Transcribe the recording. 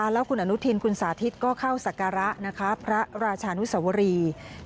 แล้วคุณอนุทินคุณสาธิตก็เข้าศักระพระราชานุสวรี